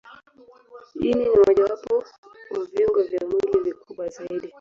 Ini ni mojawapo wa viungo vya mwili vikubwa zaidi.